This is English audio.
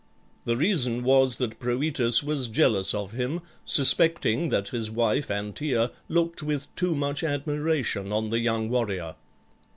The reason was that Proetus was jealous of him, suspecting that his wife Antea looked with too much admiration on the young warrior.